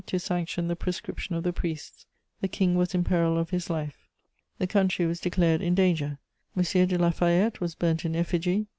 to sanction the proscription of the priests; the King was in peril of his life. The country was declared in danger. M. de La Fayette was burnt in effigy.